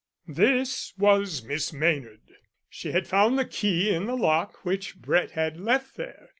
This was Miss Maynard. She had found the key in the lock which Brett had left there.